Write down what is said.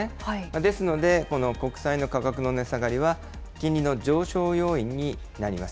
ですので、この国債の価格の値下がりは、金利の上昇要因になります。